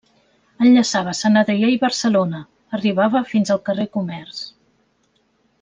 Enllaçava Sant Adrià i Barcelona, arribava fins al carrer Comerç.